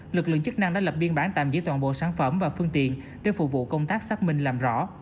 lực lượng chức năng đã lập biên bản tạm giữ toàn bộ sản phẩm và phương tiện để phục vụ công tác xác minh làm rõ